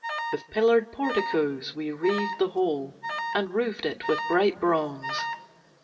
With pillared porticos we wreathed the whole, And roofed it with bright bronze.